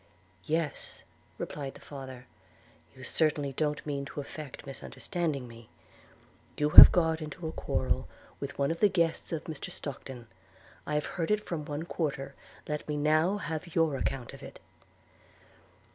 'Yes,' replied the father; 'you certainly don't meant to affect misunderstanding me. You have got into a quarrel with one of the guests of Mr Stockton: I have heard of it from one quarter; let me now have your account of it.'